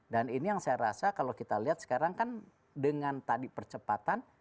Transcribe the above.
dan ini yang saya rasa kalau kita lihat sekarang kan dengan tadi percepatan